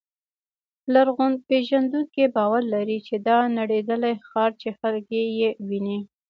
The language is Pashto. لرغونپېژندونکي باور لري چې دا نړېدلی ښار چې خلک یې ویني.